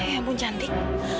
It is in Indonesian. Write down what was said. ya ampun cantik